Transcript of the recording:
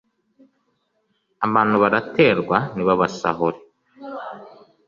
abantu baraterwa ntibabasahure